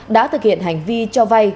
đã thực hiện hành vi cho vay